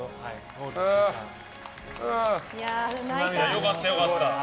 良かった、良かった。